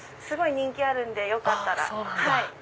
すごい人気あるんでよかったら。